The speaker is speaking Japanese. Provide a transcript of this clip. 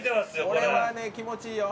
これはね気持ちいいよ。